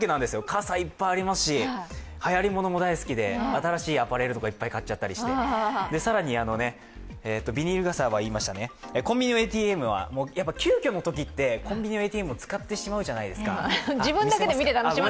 傘いっぱいありますし、はやりものも大好きで、新しいアパレルとかいっぱい買っちゃったりして更に、コンビニのＡＴＭは急きょのときってコンビニのＡＴＭ使っちゃうじゃないですか。